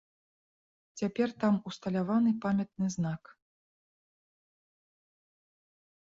Цяпер там усталяваны памятны знак.